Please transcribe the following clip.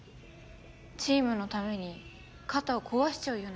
チームのために肩を壊しちゃうような人ですから。